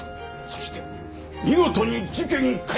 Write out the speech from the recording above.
そして見事に事件解決。